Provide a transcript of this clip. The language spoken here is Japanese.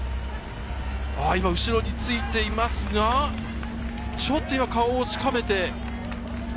後ろについていますが、ちょっと今、顔をしかめて。